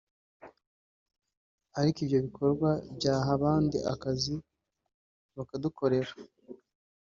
ariko ibyo bikorwa byaha abandi akazi bakadukorera